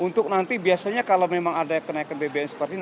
untuk nanti biasanya kalau memang ada kenaikan bbm seperti ini